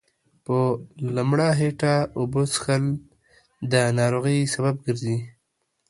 په لمړه هيټه اوبه څښل دا ناروغۍ سبب ګرځي